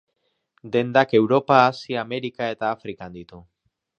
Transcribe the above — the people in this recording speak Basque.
Dendak Europa, Asia, Amerika eta Afrikan ditu.